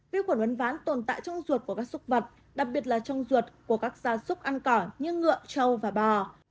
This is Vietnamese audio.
vi khuẩn uốn ván tồn tại trong ruột của các súc vật đặc biệt là trong ruột của các gia súc ăn cỏ như ngựa trâu và bò